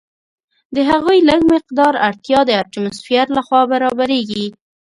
د هغوی لږ مقدار اړتیا د اټموسفیر لخوا برابریږي.